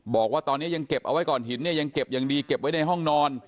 บอกว่าตอนนี้ยังเก็บเอาไว้ก่อนหินเนี่ยยังเก็บอย่างดีเก็บไว้ในห้องนอน